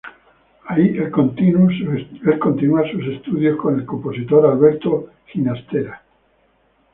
Ahí el continua sus estudios con el compositor Alberto Ginastera.